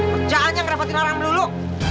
pecahannya ngerapatin orang dulu